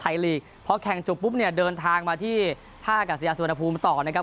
ลีกพอแข่งจบปุ๊บเนี่ยเดินทางมาที่ท่ากัศยาสุวรรณภูมิต่อนะครับ